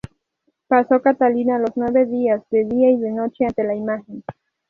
Pasó Catalina los nueve días, de día y de noche ante la imagen.